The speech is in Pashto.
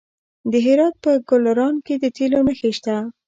د هرات په ګلران کې د تیلو نښې شته.